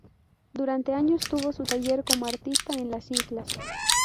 Durante años tuvo su taller como artista en las islas.